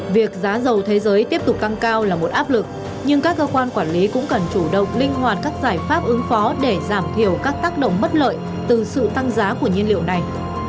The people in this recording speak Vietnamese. việc giá dầu thế giới tiếp tục tăng cao là một áp lực nhưng các cơ quan quản lý cũng cần chủ động linh hoạt các giải pháp ứng phó để giảm thiểu các tác động mất lợi từ sự tăng giá của nhiên liệu này